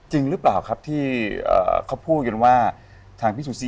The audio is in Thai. คุณซูซี่คุณซูซี่คุณซูซี่